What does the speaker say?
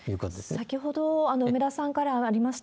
先ほど梅田さんからもありました、